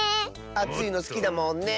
あついのすきだもんねえ？